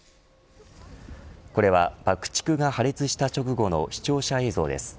これは爆竹が破裂した直後の視聴者映像です。